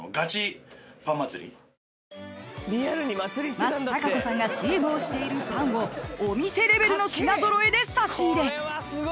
［松たか子さんがＣＭをしているパンをお店レベルの品揃えで差し入れ］